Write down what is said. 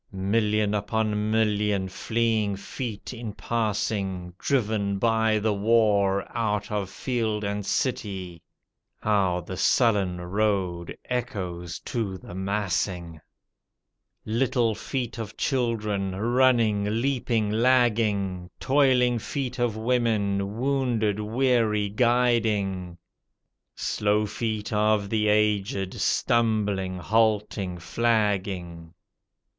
Million upon million fleeing feet in passing Driven by the war out of field and city, How the sullen road echoes to the massing ! THE SAD YEARS THE ROAD OF THE REFUGEES (Continued) Little feet of children, running, leaping, lagging. Toiling feet of women, wounded, weary guiding. Slow feet of the aged, stumbling, halting, flagging.